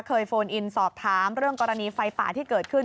โฟนอินสอบถามเรื่องกรณีไฟป่าที่เกิดขึ้น